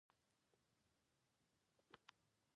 عصري نسلونه زیات وخت د دولت تر واک لاندې وو.